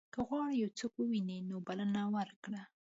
که غواړې یو څوک ووینې نو بلنه ورکړه.